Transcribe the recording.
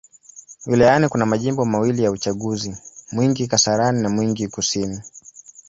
Wilayani kuna majimbo mawili ya uchaguzi: Mwingi Kaskazini na Mwingi Kusini.